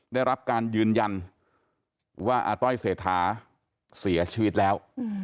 ได้รับการยืนยันว่าอาต้อยเศรษฐาเสียชีวิตแล้ว